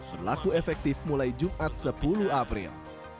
berlaku efektif mulai jumat sepuluh april